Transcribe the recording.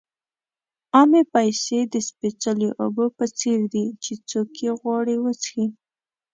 عامې پیسې د سپېڅلو اوبو په څېر دي چې څوک یې غواړي وڅښي.